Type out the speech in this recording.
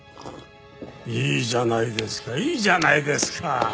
いいじゃないですかいいじゃないですか！